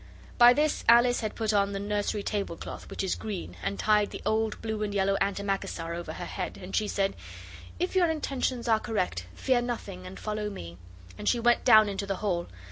By this Alice had put on the nursery tablecloth, which is green, and tied the old blue and yellow antimacassar over her head, and she said 'If your intentions are correct, fear nothing and follow me.' And she went down into the hall.